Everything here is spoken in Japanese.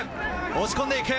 押し込んでいく！